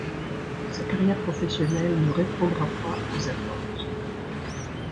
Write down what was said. Sa carrière professionnelle ne répondra pas aux attentes.